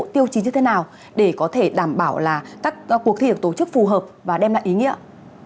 tiêu chí như thế nào để có thể đảm bảo là các cuộc thi được tổ chức phù hợp và đem lại ý nghĩa